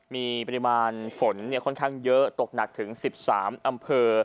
มีปริมาณฝนค่อนข้างเยอะตกหนักถึง๑๓อำเภอ